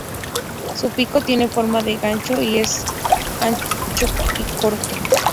Su pico tiene forma de gancho, y es ancho y corto.